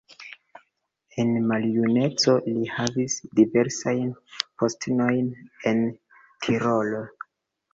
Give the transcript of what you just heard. En maljuneco li havis diversajn postenojn en Tirolo.